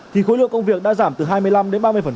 thì khối lượng công việc đã giảm từ hai mươi năm đến ba mươi